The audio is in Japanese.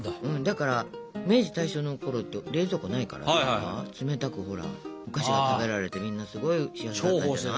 だから明治大正のころって冷蔵庫ないから冷たくほらお菓子が食べられてみんなすごい幸せになったんじゃない？